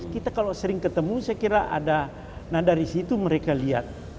kita kalau sering ketemu saya kira ada nah dari situ mereka lihat